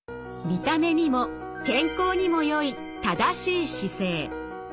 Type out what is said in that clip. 見た目にも健康にもよい正しい姿勢。